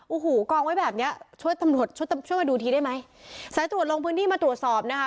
โอ้โหกองไว้แบบเนี้ยช่วยตำรวจช่วยช่วยมาดูทีได้ไหมสายตรวจลงพื้นที่มาตรวจสอบนะคะ